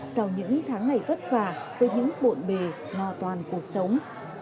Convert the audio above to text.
sau những tháng ngày vất vả với những bộn bề ngò toàn cuộc sống